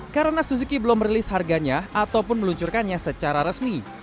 karena suzuki belum merilis harganya ataupun meluncurkannya secara resmi